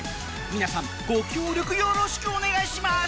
皆さんご協力よろしくお願いします